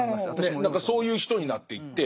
そういう人になっていって。